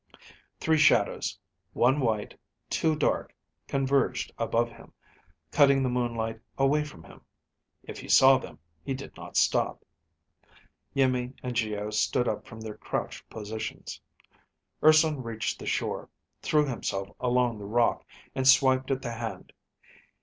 Three shadows, one white, two dark, converged above him, cutting the moonlight away from him. If he saw them, he did not stop. Iimmi and Geo stood up from their crouched positions. Urson reached the shore, threw himself along the rock, and swiped at the hand.